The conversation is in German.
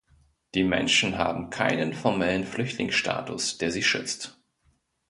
Die Menschen haben keinen formellen Flüchtlingsstatus, der sie schützt.